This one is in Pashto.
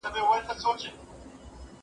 يوازې ارادې ته اړتيا ده.